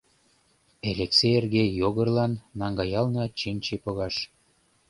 Элексе эрге Йогырлан наҥгаялна чинче погаш.